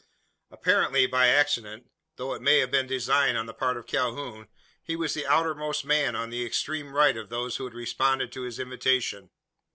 Apparently by accident though it may have been design on the part of Calhoun he was the outermost man on the extreme right of those who had responded to his invitation.